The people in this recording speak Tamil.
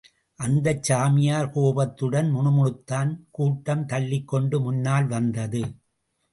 அந்த சாமியார் கோபத்துடன் முணுமுணுத்தான், கூட்டம் தள்ளிக் கொண்டு முன்னால் வந்தது.